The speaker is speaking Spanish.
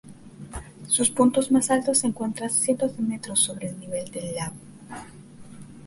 Sus puntos más altos se encuentran cientos de metros sobre el nivel del lago.